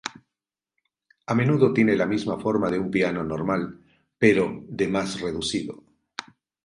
A menudo tiene la misma forma de un piano normal pero de más reducido.